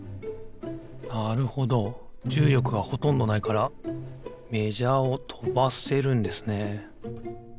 なるほどじゅうりょくがほとんどないからメジャーをとばせるんですね。